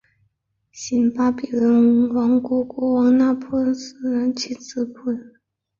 新巴比伦王国国王那波帕拉萨尔派其子尼布甲尼撒二世率领联军进攻亚述的残余势力。